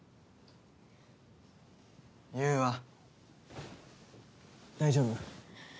優愛大丈夫？